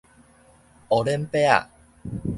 烏輪伯仔